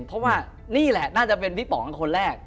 เพราะว่านี่แหละเนี่ยน่าจะเป็นที่บอกได้ว่าคนแรก